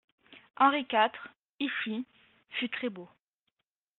Henri quatre, ici, fut très-beau.